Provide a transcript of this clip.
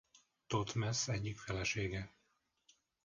Thotmesz egyik felesége.